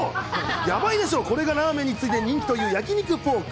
やばいでしょ、これがラーメンに次いで人気という焼き肉ポーク。